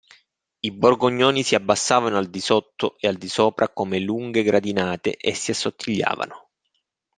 I borgognoni si abbassavano al disotto e al di sopra come lunghe gradinate e si assottigliavano.